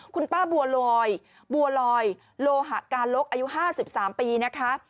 คุณป้าบัวลอยบัวลอยโลหะกาลกอายุ๕๓ปีนะคะ